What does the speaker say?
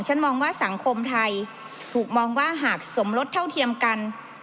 มองว่าสังคมไทยถูกมองว่าหากสมรสเท่าเทียมกัน